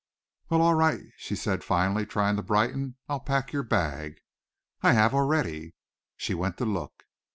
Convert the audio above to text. "Well, all right," she said finally, trying to brighten. "I'll pack your bag." "I have already." She went to look.